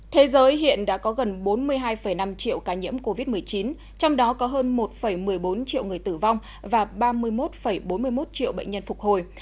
thế giới hiện đã có gần bốn mươi hai năm triệu ca nhiễm covid một mươi chín trong đó có hơn một một mươi bốn triệu người tử vong và ba mươi một bốn mươi một triệu bệnh nhân phục hồi